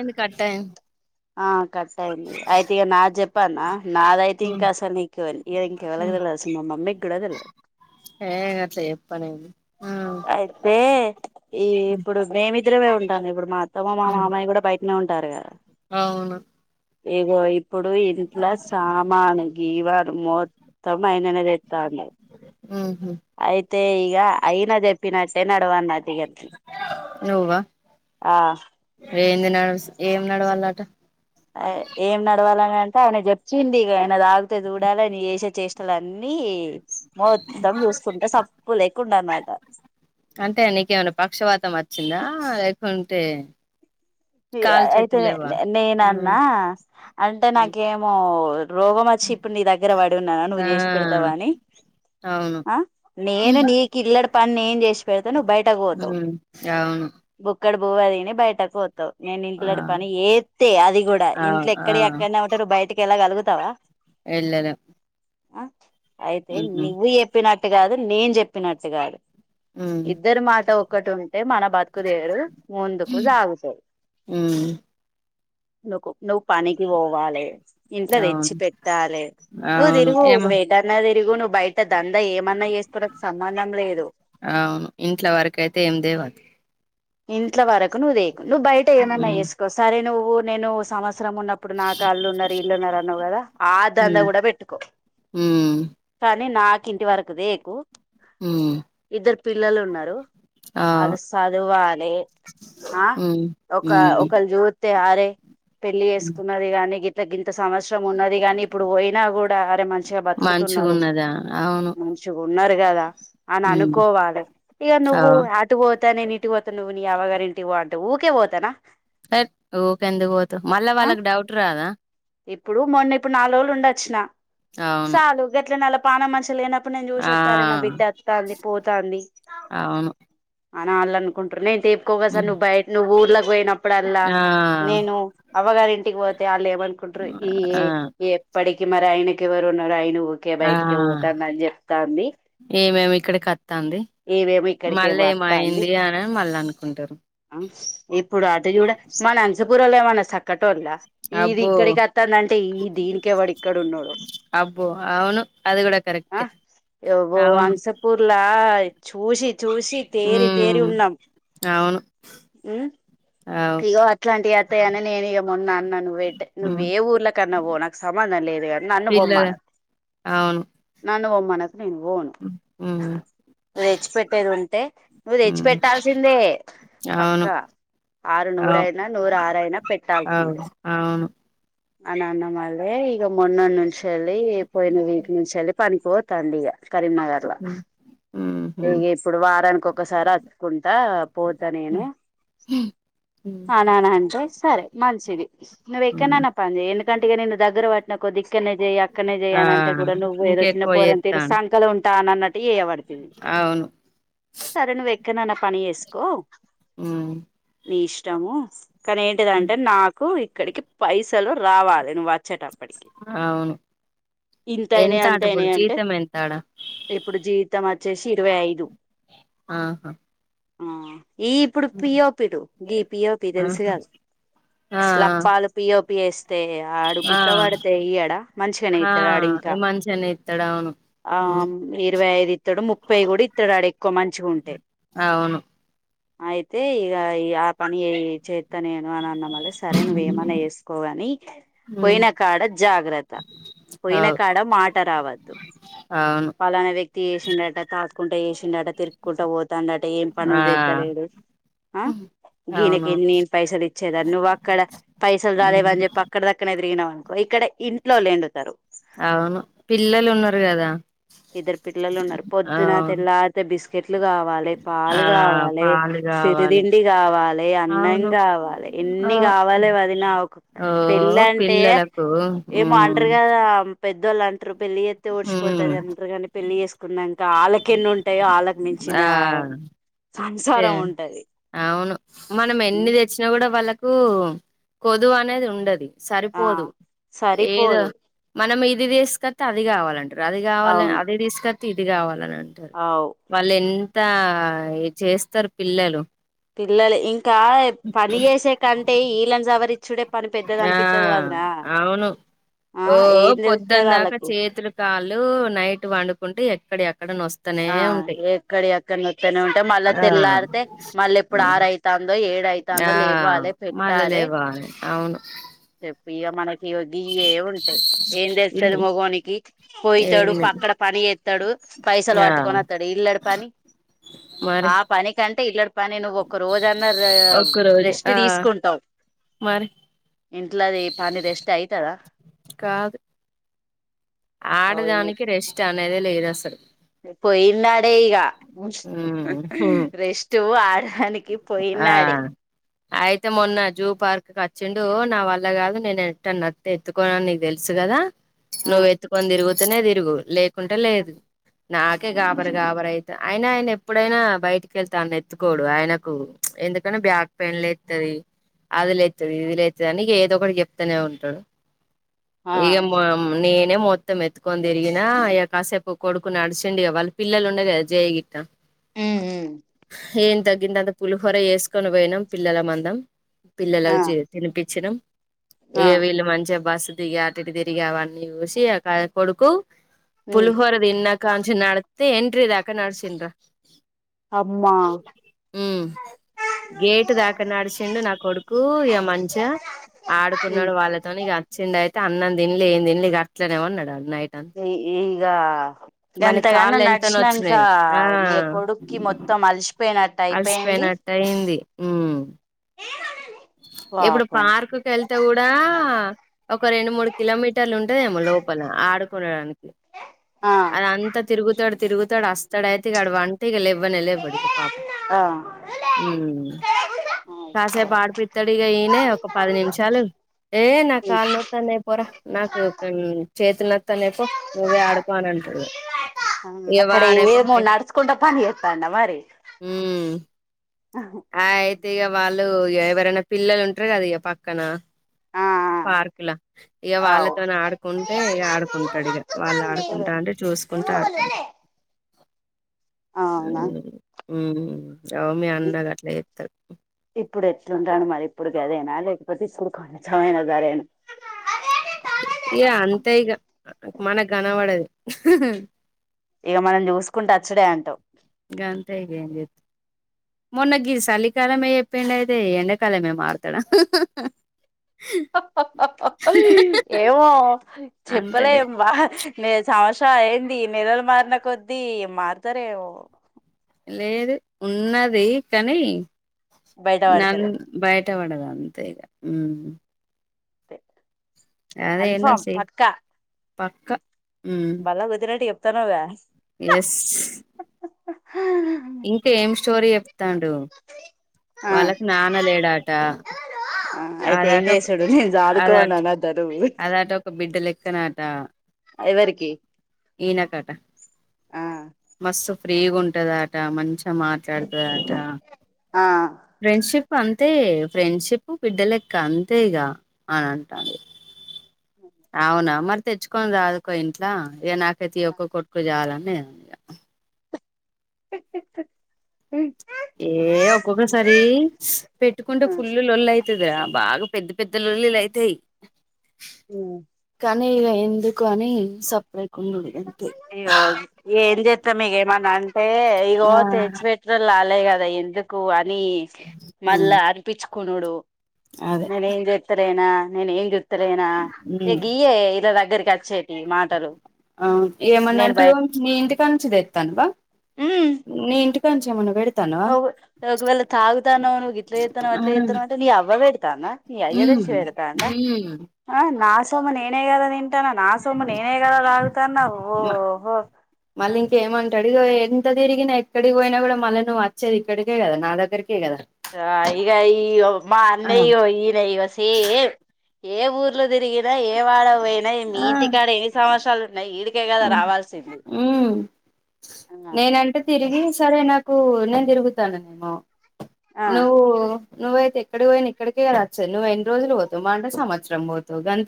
ఏంది కట్ అయింది ఆ కట్ట అయింది అయితే ఇక నా చెప్పనా నాదైతే ఇంకా అసలు నీకు ఇంక ఎవలాకు తెలవదు అసలు మా మమ్మీకి కూడా తెలవదు హే అట్లా చెప్పలేం అయితే ఈ ఇప్పుడు మేమిద్దరమే ఉంట ఇప్పుడు మా తమ మా మామయ్య కూడా బయటనే ఉంటారు కదా అవును ఇగో [unintelligible] ఇప్పుడు ఇంట్లో సామానుకి [unintelligible] మొత్తం అయననేదెత్తాండు అయి తే ఇగా ఐన చెప్పిన తే నడవన్నతిగతి నువ్వా ఆ ఏంది నడుస్ ఏం నడవాలట ఆయ్ ఏం నడవాలనంటే ఆయన జప్చింది ఆయన తాగితే చూడాలె అది చేసే చేస్ తులన్నీ మొత్తం చూసుకుంటే సప్పు లేకుండన్నాట చ్చిందా లేకుంటే తి కాలు అయితే చేతులు లేవా నేనన్నా అంటే నాకేమో రోగమచ్చి ఇప్పుడు నీ దగ్గర బడున్నాన నువ్వు ఆ చేసి పెడతావని, అవును ఆ నేను నీకు ఇల్లడి పని నేన్ చేసి పెడతే నువ్వు బయటకు బోతావ్. అవును ఇక్కడ బువ్వదిని బయటకు బోతవ్ నేను ఆ ఇంట్లోటి పని ఏత్తే అది గూడా ఆ ఇంట్లో ఎక్కడయి అక్కడనే ఉంటారు బయటికెలాగలుగు త్తవ ఎల్లలే ఆ అయితే నివ్వు చెప్పినట్ ట్ కాదు నేన్ చెప్పినట్టుగాదు ఇద్దరు మాటో కటున్ అంటే మన బతుకుదేరు ముందుకు సాగుతది మ్మ్ నుకు నువ్ పనికి వోవాలే ఇంట్లో తెచ్చి అవును పెట్టాలే నువ్వు అవును దిరుగు ఏమో నువ్వు ఎటన్నా తిరుగు నువ్వు బయట దంద ఏమన్నా చేసుకోకు సంబంధం లేదు. అవును ఇంట్లో వరకయితే ఏం తేవద్దు ఇంట్ల వరక్ క్ నువ్వుదేకు నువ్వు బయట ఏమన్నా ఏసుకో సరే నువ్వు నేను సమస్ సరం ఉన్నప్పుడు నాకు ఆళ్లున్నరు ఈల్లున్నరు అన్నవ్ గదా ఆ దంద గూడా పెట్టుకో [inaudible] కాని నాకు ఇంటి వరకుదేకు హ్మ్. ఇద్దరు పిల్లలున్నరు ఆ! అది సదువార్ ఆ హ్మ్. ఒక హ్మ్. ఒకళ్ జూ త్యారే పెళ్లి హ్మ్. చేేసుకున్నది గానీ గి తగిన్ ఇంత సంవత్సరం ఉన్నది గాని ఇప్పుడు బొయినా గూడా అరే మంచిగా బతుకుతున్నరు. మంచిగున్నదా? అవును. [inaudible] ఉన్నారు కాదా అని హ్మ్. అనుకోవాలి ఇక ఆ! నువు అటుపోతా నేనే ఇటుపోత అవ్వగారి ఇంటికి పో అంటే ఊకే పోతానా సరే ఊకెందుకు పోతు మళ్ళా ఆ వాళ్ళకి డౌట్ రాదా ఇప్పుడు మొన్న ఇప్పుడు నాలు రోజులు ఉండొచ్చిన అవును. చాలు గట్లనలప్ పాన మంచి లేన అప్పుడు నేను ఆ! చూసేస్తారే నా బిడ్డ వస్తంది పోతాంది అవును. అని వాళ్ళ అనుకుంటున్నిరి సేపుకోగా స హ్మ్. నువ్ బయట నువ్ ఊర్లా పోయినప్పుడల్లా ఆ! నేను అవ్వగారు ఇంటికి పోతే వాళ్ళ ఏమ కుంట్రు ఈ ఆ! ఎప్పటికి మరి ఆయనే ఎవరున్నారు [unintelligible] ఆ ఏమేమి ఇక్కడి కొత్తంది ఈమేమో మళ్ళీ ఇక్కడికేమో వత్తాంది ఏమయింది అని మళ్ళ అనుకుంటారు ఇప్పుడు అటు చూడ మన అంచపురంలో ఏమన్నా చక్కట్ [unintelligible] ఈది అబ్బో! ఇక్కడికివస్తోందంటే ఈ దీనికి ఎవ్వడు ఇక్కడ ఉన్నోడు అబ్బో! అవును. అది గూడా ఆ కరెక్టే. బో అవును. వంసపూర్లా చూషి చూసి తేరి హ్మ్. తేరి ఉన్నాం అవును. అవు. ఇగో అట్లాంటివి అతాయ అని నేను ఇక మొన్న అన్న నువ్వు పెట్టే నువ్యు హ్మ్. ఏ ఊర్లకన్నా పో నాకు సమ్మంధం లేదు కాని నన్ను పిల్లల బొమ్మను అవును. నన్ను బొమ్మ మన నేను పోను హ్మ్. హ్మ్. నువ్వు తెచ్చిపెట్టేది ఉంటే నువ్వు హ్మ్. తెచ్చిపెట్టాల్సిందే అవును. పక్కా ఆరు అవు నూరయినా నూరు ఆరుయినా అవును పెట్టాల్సిందే అవును అని అన్న మళ్ళే ఇక మొన్న నుంచి వెళ్ళి పోయిన వీక్ నుంచి వెళ్ళి పనికిపోతాంది ఇక కరీంనగర్లా ఉహు ఇగ ఇప్పుడు వారానికి ఒకసారి వచ్చుకుంటా పోతా నేనే ఆనన్న అంతే సరే మంచిది నువ్వు ఎక్కనన్నపనిచేయ్ ఎందుకంటే ఇగ నిన్ను దగ్గర నా కొద్దిగ ఇక్కనే చేయి అక్కనే చయి ఆ అనింటే కూడా నువ్వు ఏదో చిన్న ఇంకెక్కువ పోరని తీరు చేత్తాండు సంకలో ఉం తానన్నట్టు చేయవ అవును సరేనువ్వు ఇకనన్న పని చేస్కో మ్ నీ ఇష్టము కనీ ఏంటిదంటే నాకు ఇక్కడికి పైసలు రావాలె నువ్ వచ్చేట టప్పటికి అవును ఇంతైనయి ఎంత అట ఇప్పుడు అంతైనై అంటే జీతం ఎంత ఆడ ఇప్పుడు జీతం అచ్చేసి ఇరవై ఐదు ఆహా ఆ ఈ ఇప్పుడు హ్మ్. పియో గీ పియోపీ తెలుసు ఆహా గదా ఆ లప్పాలు పియో తో పిఎస్ తే ఆడు ఆ గుత్తపడ్తే ఇయ్యడా మంచిగనే ఆ ఇత్తడు ఆడింకా ఆ మంచిగనే ఇత్తడు అవును ఆ హ్మ్. ఇరవై ఐదు ఇత్తడు ముప్పై గుడా ఇత్తడు ఆడ్ ఎక్కువ మంచిగుంటే అవును అయితే ఇగ ఈ ఆ పని ఏ చే ఇత నేను అనన్న మల్లె సరే నువ్వేమన్న చేస్కో గని హ్మ్. పోయిన కాడ జాగ్రత్ త పోయిన అవు కాడ మాట రావద్దు అవును పలాన వ్య చేసిండట తాగ్కుంట చేసిండట తిరుక్కుంటా పోతాండ అంటే ఏం ఆ పనుల్ చేత్తలేడు. ఆ అవును గీనకేంది నేన్ పైసల్ ఇచ్చేదా నువ్వక్కడ పైసల్ హ్మ్. రాలేవన్ జెప్పి అక్కడ్దక్కడనే తి అడిగినవనుకో ఇక్కడే అవును పిల్లలు ఉన్నరు కదా ఇద్దరు పిల్లలు ఉన్నరు ఆ పొద్దున తెల్లార్తే బిస్కెట్ లు కావాలె, పాలు ఆ కావాలె, పాలు కావాలి సిరిదిండి కావాలె, అన్నం అవును కావాలె ఎన్ని ఆ కావాలె వదినా ఒక ఓ పెళ్ళంటే పిల్లలకు ఏమో అంటరు మ్మ్ కదా పెద్ దొల్లన్ ట్రు పెళ్లి చేత్తే మ్మ్ ఒడిసిపోతద్ అం పెళ్లి చేస్కున్నంక ఆళ్ళకెన్ని ఉంటయో ఆళ్ ఆ మించినామ్ తే అవును మనం ఎన్ని తెచ్చిన గుడా వాళ్ళక్ కూ కొదువు అనేది ఉండది. ఆ సరిపోదు. ఏదో సరిపోదు మనం ఇ ఇది వేస్కొస్తే అది కావాలంటరు అది కావాలి అవును అది తీసుకొ ఇది కావాలి అంటరు అవు వాళ్ళు ఎం త చేస్తరు పిల్లలు పిల్లలు ఇం కా పని చేసే కంటే ఈళ్లను సవరిచ్చుడే పని పెద్దది ఆ అనిపిత్తది వదినా అవును ఆ ఓ ఏం తెలుత్తది పొద్దందాక ఆళ్ళకి చేతులు కాళ్ళు నైట్ వండుకుంటె ఎక్కడియి అక్క ఆ ఎక్కడియి అక్కన్నే నోత్తనే ఉంటయి మళ్ళా తెల్లారితే మళ్ళీ ఎప్పుడు ఆ ఆరు అయితందో ఏడు ఆ అయితందో లెవ్వాలె మళ్ళ పెట్టాలె లేవాలి అవును ఇగ మనకు ఇగో గియ్యే ఉంటయి ఏం తెలుస్తుది ఇల్లు మగోనికి పోయతడు ఏంది పక్కడ పని చేస్తడు పైసలు ఆ పడ పట్టుకొని వత్తడు ఇల్లడు పని మరి ఆ పని కంటే ఇల్లడి పని నువ్వు ఒక్క రోజన్న ఒక్క రోజు రెస్ట్ ఆ తీసుకుంటవు మరి ఇంట్లది పని రెస్ట్ అయి ఇత్తరా కాదు ఓ ఈ ఆడదానికి రెస్ట్ అనేదే లేదు అసలు పోయిన్నాడే ఇగా ఉమ్ హు రెస్ట్ ఆడాదనికి ఆ పోయిన్నాడే అయితే మొన్న జూ పార్క్కి వచ్చిండు నా వల్ల కాదు నేను ఎత్తుకోన్నా నీకు తెలుసు కదా ఆ నువ్వు ఎత్తుకొని తిరపో అనే తిరుగు లే లే కుంటే లేదు నాకే గాబరి గాబర అయి అయన ఆయన ఎప్పుడైనా బయటికి వెళ్తా ఆ ఎత్తుకోడు ఆయనకు ఎందుకంటే బ్యాక్ పెయిన్ లేతుది అది లేతుది ఇది లేతుది అని ఏదో ఒకటి చెప్తూనే ఉంటాడు ఆ ఇగ మ నేను మొత్తం ఎత్తుకొని తరిగినా ఇక కాసేపు కొడుకునిడిచండి ఇక వాళ్ళ పిల్లలు ఉండ కదా జయగిట్ట హమ్ హ్మ్మ్ ఏన్ తగ్గింద అ పులిహొర చేస్కోని పోయినాం పిల్లల మందం ఆ పిల్లలకు జి తినిపించినం ఇ ఆ వీళ్ళు మంచిగా బాస్ దిగా అటుటు తిరిగి అవన్నీ చూసి అ కొడుకు ఉమ్ పులిహోర తిన్నాక అంచినాడు. తే ఎంట్రిదాక నడిసిండ్ర అమ్మా గేటు దాక నడిసిండు నా కొడుకు ఇగ మంచిగా ఉమ్ ఆడుకున్నాడు వాళ్ళతోని ఇగ అచ్చిండు అయ్ అన్నం దింలే ఏం దింలె ఇగ అట్లలేనే వంనాడ ఈ ఈగ వాని గంతగానా కాళ్ళు ఎంత నడ్చినంకా నొచ్చినాయి ఆ ఎ కొడుక్కి మొత్తం అల్సిపొయ్న అల్సిపెయినట్టైంది. ఉ ఇప్పుడు పాపం పార్క్కి వెళ్తే కూడా ఒక రెండు మూడు కిలోమీటర్లు ఉ ఉంటది ఏమో లోపల ఆడుకునేదానికి ఆ అద అంతా తిరుగుతాడు. తిరుగుతాడు అస్తాడైతే ఇక అడు వంటిగ లెవ్వనె లెవ్యడుగ పాప్ ఆ హ్మ్ కాసేప్ ఆడిపి ఒత్తడిగా ఇయనే ఒక పది నిమిషాలు ఏ నా ఆ కాళ్ నొత్తానయ్ పొరా నాకు ఒత్తన్ చేతునొత్తనయ్ పొ, నువ్వే ఆడుకో అని అంటుడుగ అవున్ నొక్కడేమో నడుచుకుంట పని చెత్తాండా మరి ఆయ్ తిగ వాళ్ళు ఇగ ఎవరెనా పిల్లలు ఉంట్రు కదా ఇగ పక్కన ఆ పార్కుల ఇగ అవు వాళ్ళతోను ఆడుకుంటే ఇగ ఆడుకుంటాడు ఇగ వాళ్ళు ఆడుకుంటాంటే చూస్కుంటా ఆడుకుంటు అవునా [inaudible] ఉ రౌమి అండగ త ఇప్పుడు ఎట్లుంటాను మరి ఇప్పుడు గదేనా లేకపోతే ఇప్పుడు కొంచెమైన జారేన ఇగ అంతే ఇగ మనక్ కనపడదు. ఇగ మనం చూసుకుంటా అచ్చుడే అంటావ్. మొన్న గీ సలికాలమె చెప్పిండైతే ఎండాకాలమే మార్ తడ. ఏమో అంతలే చెప్పలేమ్ బ నే సంస్రాలు ఏందీ నిలలు మార్న కొద్దీ మారుతారేమో. లేదు ఉన్నది కానీ బయట నన్ పడతారు బయ్ ట్ట వడదు అంతే ఇక, ఉ తె ఆల్ఫా ఎన్నో సి పక్క పక్క మ్ బల్ల గుద్దినట్టు చే ప్తనవుగా ఎస్ ఇంకా ఏం స్టోరీ చెప్తాండు ఆ వాళ్ళకి నాన లేడాట ఆ అయితే ఏం చేశాడు నేను చదుకోవాల చదు అద ఆట ఒక బిడ్డ లెక్కనాట ఎవరికి [inaudible] ఆ మస్తు ఫ్రీగా ఉంటదాట మంచి మాట్లాడుతట ఆ ఫ్రెండ్షిప్ అంతే ఫ్రెండ్షిప్ బిడ్డలెక్క అంతే ఇగా అని అంటాడు అవునా మరి తెచ్చుకొని రాదుకో ఇంట్లో ఏ నాకైతే ఒక్క కొడుకు చాలనే [inaudible] ఏ ఒక్కొక్కసారి పెట్టుకుంటే ఫుల్ లొల్లి అయి బాగా పెద్ద పెద్ద లొల్లిలు అయితాయి హమ్ కానీ ఇగ ఎందుకు అని సెపరేట్ గుణ్ణం ఇగ ఏం చేత్ మీగేమన్నా హే ఇగో ఆ తెచి పెట్టినారు లాల్ అదే కదా ఎందుకు అని ఉమ్ మళ్ళా అరీపించు కునుడు అదే మరి ఏం జేతరే నా నేనేం లేనా ఏ ఉమ్ గీఏ ఇడా ఇద్దరికి అచే మాటలు అవును ఏమన్నా నేను అంటే బయ ఓ నీ ఇంటి కడ్నుంచి తేతనవ నీ ఇంటి నుంచి ఏమైనా పెయిడ్ ఓ ఒకవేళ తాగుతానవవు నువ్వు ఇగ్ట్ల చేతనవు అట్ల ఆ చేతనవు అంటే నీ అవ్వ పెడతా నీ అయ్య హ్మ్ థేచి పెడతా హ్మ్ అ నా సోమ నేనే గద నిన్ టన నా సొమ్ నేనుగద దాగుతన్న ఓహో ఇక్కడికి ఎంత తిరిగినా ఎక్కడికి పోయినా కూడా మళీ నువ్వు వచ్చేది ఇక్కడికే కద నా దగ్గరికి ఆ ఇగ ఈగో మా అన్న ఆ ఇగో ఈన ఇగ సేమ్ ఏ ఊర్లో తిరిగి గా ఏ వాడ వెయ్ అయో మీ ఇంటికాడ ఎన్ని సంవత్సరాలు ఉన్న ఈడి ఊ నేనంటే తిరిగి సరే నాక్ ఓ నేను తిరుగుతన నెమో ఆ నువ్వు నువయితేక్కడికి పోయిన ఇక్కడికే రాచ్చా నువ్వు ఎన్ని రోజులు పోతవు మా అంట సంవత్సరం పోతవు గం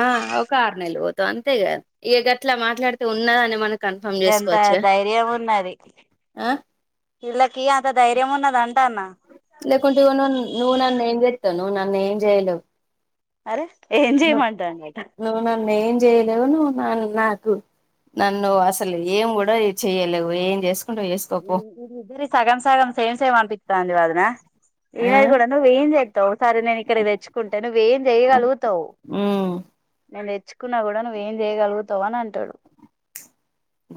ఆ ఒక అర్నెలు గంతేగా ఇ గట్లా మాట్లాడితే ఉన్నదా అని మన గంత ధైర్యం ఉన్నది ఆ ఇళకి అంత ధైర్యం ఉన్నదన్ లేకుంటే ఇగో నన్ నువ్ నన్ ఏంజెత్ తొ నువ్ నన్ను ఏం చేయలేవ్ అరే ఏం చేయమంటాండట నువ్వు నన్ను ఏం చెయలేవు నువ్వు నన్ను అసలు ఏం కూడా ఎ చెయలేవు ఏం చేస్ ఇది ఇదిరి సగం సగం సేమ్ సేమ్ అంపి రాండ్రి వదిన ఆ ఈనది కూడా నువ్వేం చేతావు సరే నేను ఇక్కడ తెచ్చుకుంటే నువ్వేం చేయగలుగుతావు ఉమ్ నేన్ దెత్ తెచ్చుకున్నా కూడా నువ్ ఏం చేయగలుగుతావు అని అంటాడు ద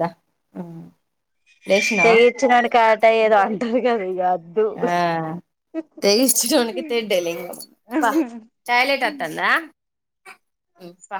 ఊ తెగిచ్చినోనికి ఆట ఏదో అంటారు కదా ఇగ అద్దు ఆ తెగిచ్చినోనికి తెడ్డే లింగం ఉ ప